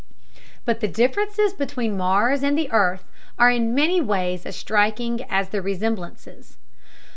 But the differences between Mars and the earth are in many ways as striking as their resemblances.